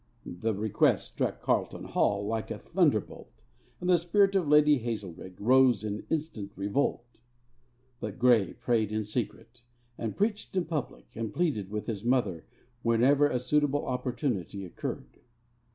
The request struck Carlton Hall like a thunderbolt, and the spirit of Lady Hazelrigg rose in instant revolt. But Grey prayed in secret, and preached in public, and pleaded with his mother whenever a suitable opportunity occurred.